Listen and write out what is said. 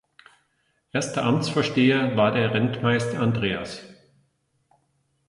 Erster Amtsvorsteher war der Rentmeister Andreas.